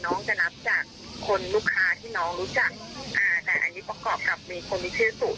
น้องจะนับจากคนลูกค้าที่น้องรู้จักอ่าแต่อันนี้ประกอบกับมีคนที่ชื่อสุ